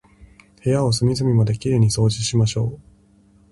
部屋を隅々まで綺麗に掃除しましょう。